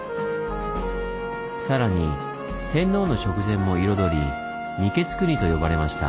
さらに天皇の食膳も彩り「御食国」と呼ばれました。